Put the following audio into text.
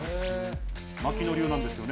槙野流なんですよね。